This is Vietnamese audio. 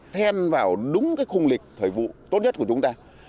then vào đúng cái khung lịch thời vụ tốt nhất của chúng ta